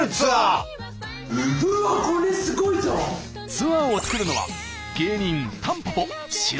ツアーを作るのは芸人